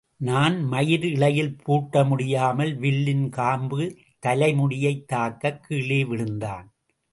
நாண் மயிர் இழையில் பூட்ட முடியாமல் வில்லின் காம்பு தலைமுடியைத் தாக்கக் கீழே விழுந்தான்.